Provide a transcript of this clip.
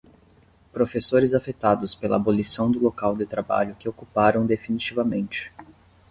Professores afetados pela abolição do local de trabalho que ocuparam definitivamente.